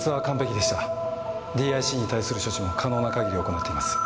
ＤＩＣに対する処置も可能な限り行っています。